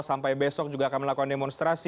sampai besok juga akan melakukan demonstrasi